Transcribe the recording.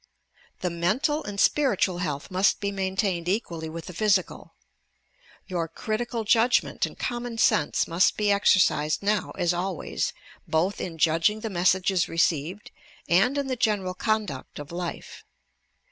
The mental and spiritual health must be maintained equally with the physical. Your critical judgment and common sense must he exercised now as always, both in judging the messages received and in the general con duct of life.